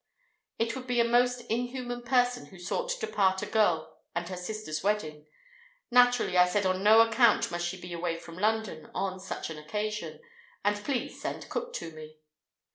It would be a most inhuman person who sought to part a girl and her sister's wedding; naturally I said on no account must she be away from London on such an occasion—and please send cook to me.